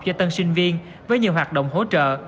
cho tân sinh viên với nhiều hoạt động hỗ trợ